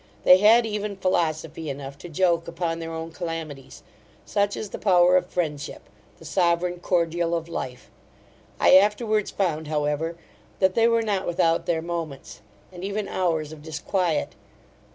They had even philosophy enough to joke upon their own calamities; such is the power of friendship, the sovereign cordial of life I afterwards found, however, that they were not without their moments, and even hours of disquiet.